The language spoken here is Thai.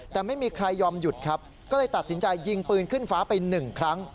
แต่ไม่มีใครยอมหยุดครับก็เลยตัดสินใจยิงปืนขึ้นฟ้าไปหนึ่งครั้ง